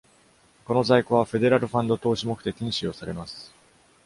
この在庫はフェデラルファンド投資目的に使用されます。